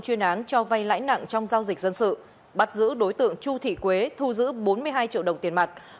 chuyên án cho vay lãi nặng trong giao dịch dân sự bắt giữ đối tượng chu thị quế thu giữ bốn mươi hai triệu đồng tiền mặt